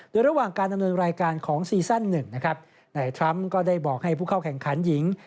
โดยระหว่างการดำเนินรายการของซีซั่น๑นะครับนายทรัมป์ก็ได้บอกให้ผู้เข้าแข่งขันหญิง